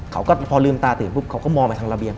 เขาก็พอลืมตาตื่นปุ๊บเขาก็มองไปทางระเบียง